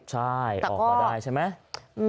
ใช่ออกมาได้ใช่ไหม